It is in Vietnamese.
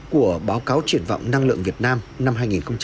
của báo cáo triển vọng năng lượng việt nam năm hai nghìn một mươi chín